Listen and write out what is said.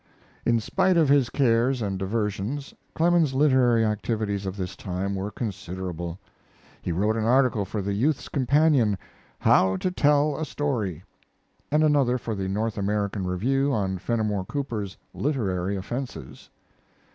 In spite of his cares and diversions Clemens's literary activities of this time were considerable. He wrote an article for the Youth's Companion "How to Tell a Story" and another for the North American Review on Fenimore Cooper's "Literary Offenses."